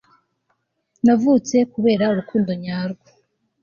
navutse kubera urukundo nyarwo